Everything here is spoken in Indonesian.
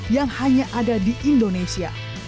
yang hanya ada di indonesia